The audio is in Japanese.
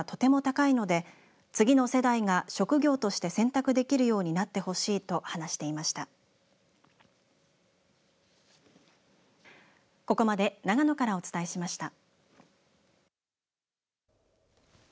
日本の花の生産技術はとても高いので次の世代が職業として選択できるようになってほしいと話していました。